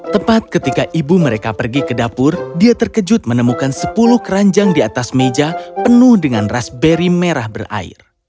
tepat ketika ibu mereka pergi ke dapur dia terkejut menemukan sepuluh keranjang di atas meja penuh dengan raspberry merah berair